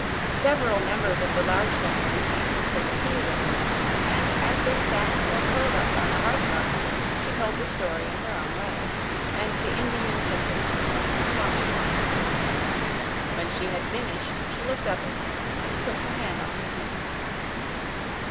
Several members of the Large Family came to take tea with her, and as they sat or curled up on the hearth rug she told the story in her own way, and the Indian gentleman listened and watched her. When she had finished she looked up at him and put her hand on his knee.